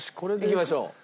いきましょう。